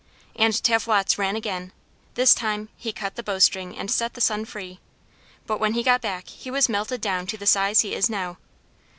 And Tavwots ran again; this time he cut the bowstring and set the sun free. But when he got back he was melted down to the size he is now!